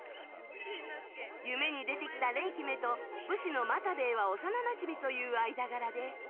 夢に出てきた廉姫と武士の又兵衛は幼なじみという間柄で。